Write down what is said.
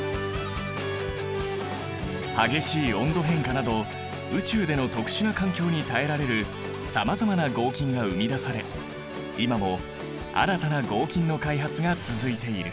激しい温度変化など宇宙での特殊な環境に耐えられるさまざまな合金が生み出され今も新たな合金の開発が続いている。